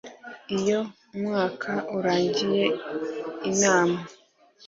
iyo umwaka urangiye inama